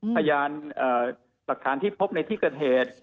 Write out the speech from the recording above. พยานหลักฐานที่พบในที่เกิดเหตุ